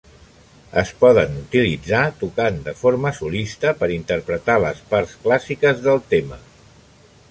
Es poden utilitzar tocant de forma solista per interpretar les parts clàssiques del tema.